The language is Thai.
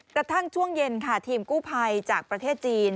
กระทั่งช่วงเย็นค่ะทีมกู้ภัยจากประเทศจีน